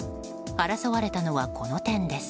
争われたのは、この点です。